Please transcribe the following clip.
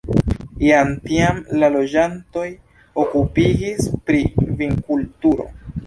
Jam tiam la loĝantoj okupiĝis pri vinkulturo.